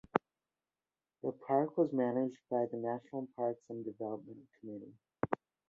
The park was managed by the National Parks and Development Committee.